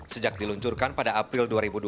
sejak diluncurkan pada april dua ribu dua puluh